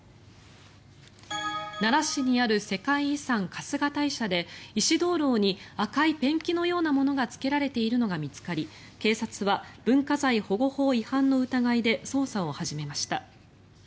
奈良市にある世界遺産・春日大社で石灯ろうに赤いペンキのようなものがつけられているのが見つかり警察は文化財保護法違反の疑いで捜査を始めました。